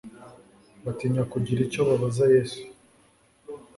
Batinya kugira icyo babaza Yesu,